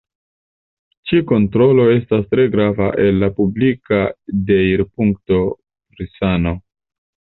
Ĉi-kontrolo estas tre grava el la publika deirpunkto pri sano.